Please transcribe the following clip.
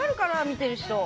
見てる人。